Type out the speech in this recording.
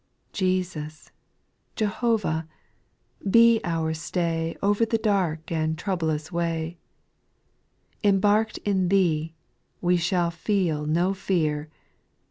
2. Jesus, Jehovah, be our stay Over the dark and troublous way ; Embark'd in Thee, we shall feel no fear.